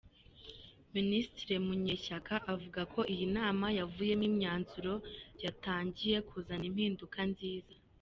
Minisitiri Munyeshyaka avuga ko iyi nama yavuyemo imyanzuro yatangiye kuzana impinduka nziza.